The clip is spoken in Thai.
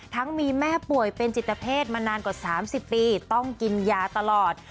ทั้งมีแม่ป่วยเป็นจิตเพศมานานกว่า๓๐ปีต้องกินยาตลอด